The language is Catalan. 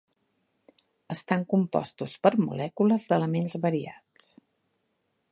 Estan compostos per molècules d'elements variats.